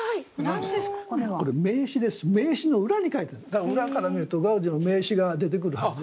だから裏から見るとガウディの名刺が出てくるはずです。